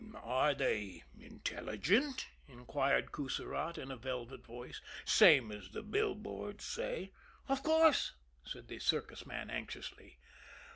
"Are they intelligent," inquired Coussirat in a velvet voice, "same as the billboards say?" "Of course," said the circus man anxiously.